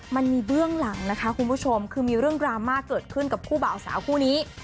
เบื้องหลังนะคะคุณผู้ชมคือมีเรื่องดราม่าเกิดขึ้นกับคู่บ่าวสาวคู่นี้